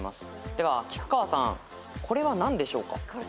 では菊川さんこれは何でしょうか？